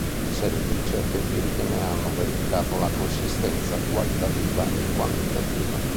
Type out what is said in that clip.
Una serie di ricerche empiriche ne hanno verificato la consistenza qualitativa e quantitativa.